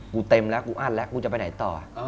เต็มแล้วกูอั้นแล้วกูจะไปไหนต่อ